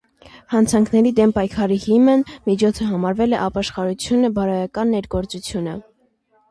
Հանցանքների դեմ պայքարի հիմն. միջոցը համարվել է ապաշխարությունը, բարոյական ներգործությունը։